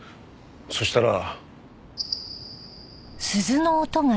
そしたら。